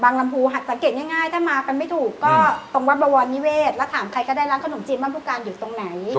ลำพูสังเกตง่ายถ้ามากันไม่ถูกก็ตรงวัดบวรนิเวศแล้วถามใครก็ได้ร้านขนมจีนบ้านผู้การอยู่ตรงไหน